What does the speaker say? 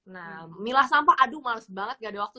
nah milah sampah aduh males banget gak ada waktu